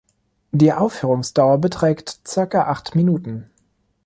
Die Aufführungsdauer beträgt zirka acht Minuten.